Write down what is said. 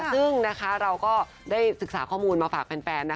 ซึ่งเราก็ได้ศึกษาข้อมูลมาฝากแฟน